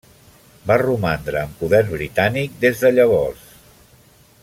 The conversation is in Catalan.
Va romandre en poder britànic des de llavors.